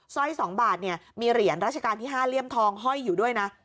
สอยสองบาทมีเหรียญราชกาลที่๕เท่าไลี่ยมทองฮ่อยอยู่ด้วยนะ